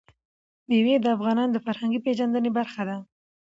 مېوې د افغانانو د فرهنګي پیژندنې برخه ده.